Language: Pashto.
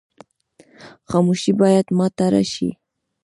خاموشي باید ماته شي.